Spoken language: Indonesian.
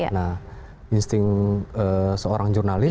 nah insting seorang jurnalis